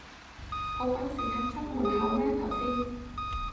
好趕時間出門口咩頭先